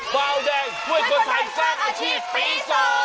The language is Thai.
เบาแดงช่วยคนไทยสร้างอาชีพปี๒